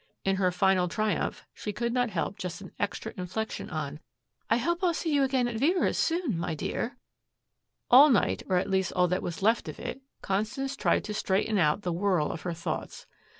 In her final triumph she could not help just an extra inflection on, "I hope I'll see you again at Vera's soon, my dear." All night, or at least all that was left of it, Constance tried to straighten out the whirl of her thoughts.